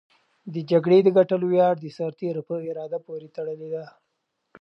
د جګړې د ګټلو ویاړ د سرتېرو په اراده پورې تړلی دی.